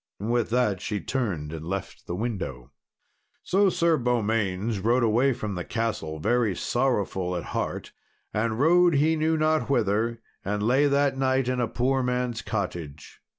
With that she turned and left the window. So Sir Beaumains rode away from the castle very sorrowrul at heart, and rode he knew not whither, and lay that night in a poor man's cottage.